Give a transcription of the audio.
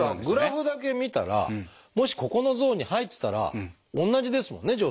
グラフだけ見たらもしここのゾーンに入ってたら同じですもんね